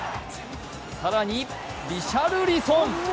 更に、リシャルリソン！